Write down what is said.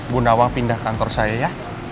bunda wang pindah kantor saya ya